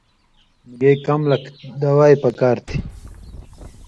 مِگے کم لکھ دَوئے پکار تھی۔